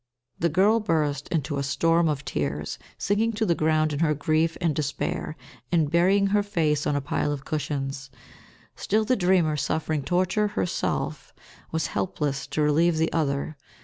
The girl burst into a storm of tears, sinking to the ground in her grief and despair, and burying her face on a pile of cushions. Still the dreamer, suffering torture herself, was helpless to relieve the other.